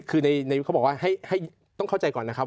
คือเขาบอกว่าให้ต้องเข้าใจก่อนนะครับ